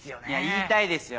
言いたいですよ